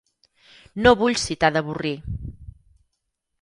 No vull si t'ha d'avorrir.